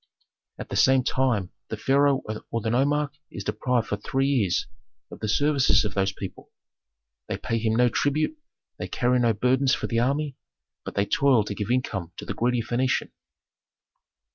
"At the same time the pharaoh or the nomarch is deprived for three years of the services of those people. They pay him no tribute, they carry no burdens for the army, but they toil to give income to the greedy Phœnician.